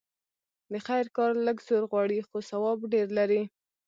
د خير کار لږ زور غواړي؛ خو ثواب ډېر لري.